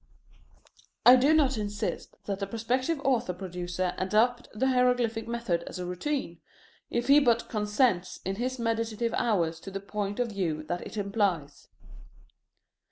I do not insist that the prospective author producer adopt the hieroglyphic method as a routine, if he but consents in his meditative hours to the point of view that it implies.